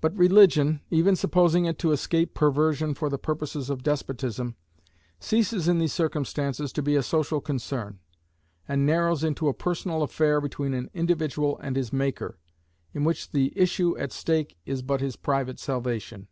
But religion, even supposing it to escape perversion for the purposes of despotism, ceases in these circumstances to be a social concern, and narrows into a personal affair between an individual and his Maker, in which the issue at stake is but his private salvation.